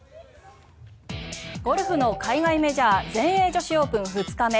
ゴルフの海外メジャー全英女子オープン２日目。